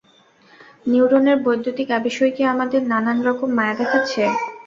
নিউরোনের বৈদ্যুতিক আবেশই কি আমাদের নানান রকম মায়া দেখাচ্ছে?